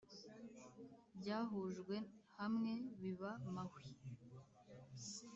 byahujwe hamwe biba mahwi